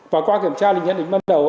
và qua kiểm tra thì nhận định bắt đầu